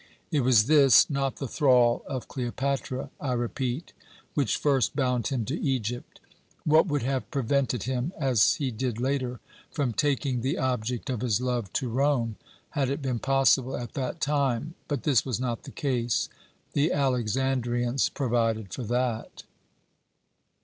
It was this, not the thrall of Cleopatra, I repeat, which first bound him to Egypt. What would have prevented him as he did later from taking the object of his love to Rome, had it been possible at that time? But this was not the case. The Alexandrians provided for that.